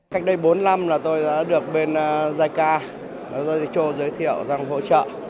cách đây bốn năm là tôi đã được bên giai ca giai cho giới thiệu rằng hỗ trợ